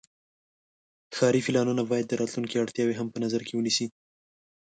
ښاري پلانونه باید د راتلونکي اړتیاوې هم په نظر کې ونیسي.